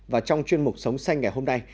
và trong chuyên mục sống xanh ngày hôm nay